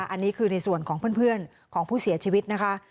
อันนี้คือในส่วนของเพื่อนของผู้เสียชีวิตนะคะ